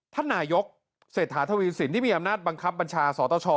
ท่านนายกเศรษฐาทวีสินที่มีอำนาจบังคับบัญชาสตช